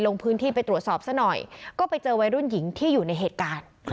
ลงพื้นที่ไปตรวจสอบซะหน่อยก็ไปเจอวัยรุ่นหญิงที่อยู่ในเหตุการณ์